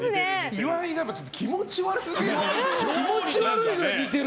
岩井がちょっと気持ち悪すぎる。